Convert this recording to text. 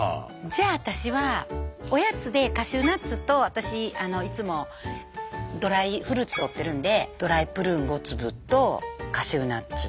じゃあ私はおやつでカシューナッツと私いつもドライフルーツとってるんでドライプルーン５粒とカシューナッツ。